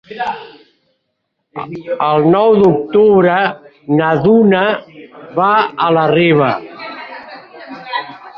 El nou d'octubre na Duna va a la Riba.